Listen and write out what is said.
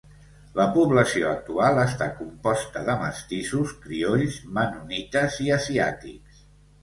La població actual està composta de mestissos, criolls, mennonites i asiàtics.